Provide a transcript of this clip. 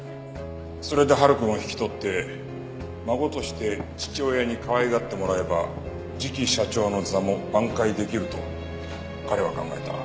それで晴くんを引き取って孫として父親にかわいがってもらえば次期社長の座も挽回できると彼は考えた。